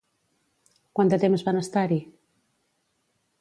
Quant de temps van estar-hi?